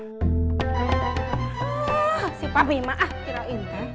oh si papi maaf kira kira